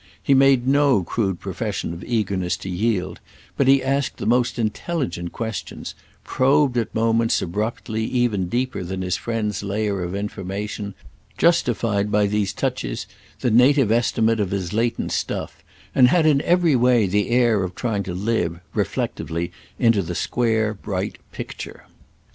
He made no crude profession of eagerness to yield, but he asked the most intelligent questions, probed, at moments, abruptly, even deeper than his friend's layer of information, justified by these touches the native estimate of his latent stuff, and had in every way the air of trying to live, reflectively, into the square bright picture.